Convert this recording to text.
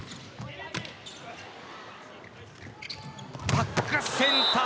バックセンター